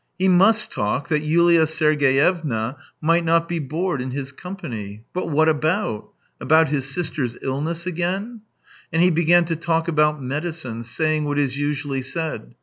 He must talk that Yulia Sergeyevna might not be bored in his company. But what about ? About his sister's illness again? And he began to talk about medicine, saying what is usually said.